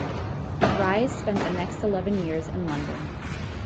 Ries spent the next eleven years in London.